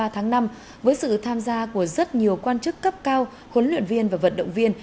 ba tháng năm với sự tham gia của rất nhiều quan chức cấp cao huấn luyện viên và vận động viên